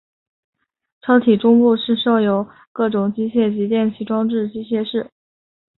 车体中部是设有各种机械及电气装置的机械室。